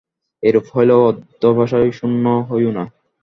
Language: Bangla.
এরূপ হইলেও অধ্যবসায়শূন্য হইও না।